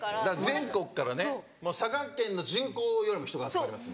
全国からね佐賀県の人口よりも人が集まります。